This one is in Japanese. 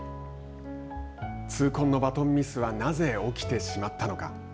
痛恨のバトンミスはなぜ、起きてしまったのか。